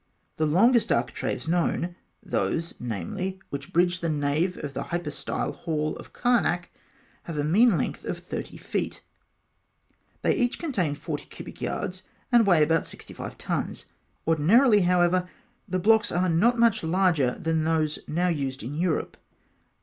The longest architraves known those, namely, which bridge the nave of the hypostyle hall of Karnak have a mean length of 30 feet. They each contain 40 cubic yards, and weigh about 65 tons. Ordinarily, however, the blocks are not much larger than those now used in Europe.